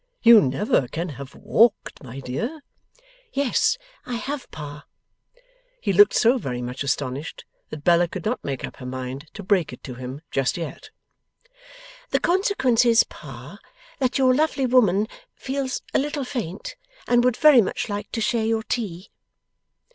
'You never can have walked, my dear?' 'Yes, I have, Pa.' He looked so very much astonished, that Bella could not make up her mind to break it to him just yet. 'The consequence is, Pa, that your lovely woman feels a little faint, and would very much like to share your tea.